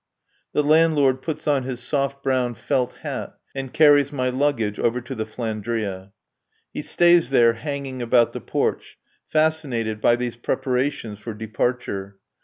The landlord puts on his soft brown felt hat and carries my luggage over to the "Flandria." He stays there, hanging about the porch, fascinated by these preparations for departure.